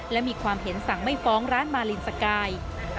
และมีความเห็นสั่งไม่ฟ้องร้านมาลินสกาย